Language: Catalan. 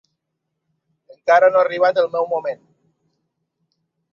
Encara no ha arribat el meu moment.